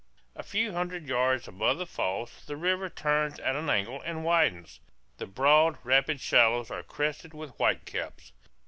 A few hundred yards above the falls the river turns at an angle and widens. The broad, rapid shallows are crested with whitecaps.